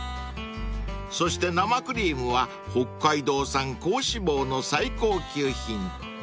［そして生クリームは北海道産高脂肪の最高級品］